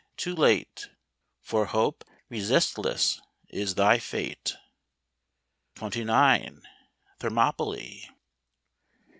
—too late For hope, resistless is thy fate! 29. Thermopylae.